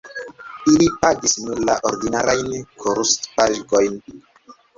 Ili pagis nur la ordinarajn kurspagojn.